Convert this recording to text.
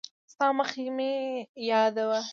ستا مخ مې یاد و.